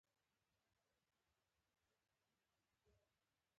کېله د تمرین نه وروسته د بیا انرژي لپاره خوړل کېږي.